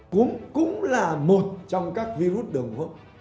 cúm cũng là một trong các virus đường hô hấp